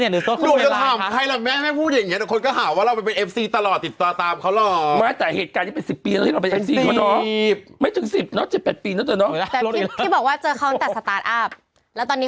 เดี๋ยวหนูเนี่ยมาจะเสิร์ชตั้งต่างให้ดูก่อนซิว่ายังไง